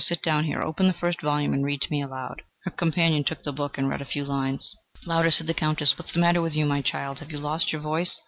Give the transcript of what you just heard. Sit down here. Open the first volume and read to me aloud." Her companion took the book and read a few lines. "Louder," said the Countess. "What is the matter with you, my child? Have you lost your voice?